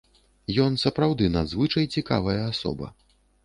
Ён сапраўды надзвычай цікавая асоба.